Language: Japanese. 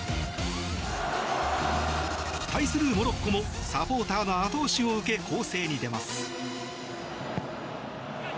対するモロッコもサポーターの後押しを受け攻勢に出ます。